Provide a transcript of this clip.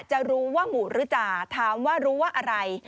จะรู้ว่าหมู่หรือจ่าถามว่ารู้ว่าอะไร